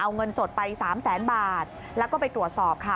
เงินสดไป๓๐๐๐๐๐บาทแล้วก็ไปตรวจสอบค่ะ